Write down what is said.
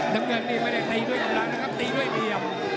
น้ำเงินนี่ไม่ได้ตีด้วยกำลังนะครับตีด้วยเหลี่ยม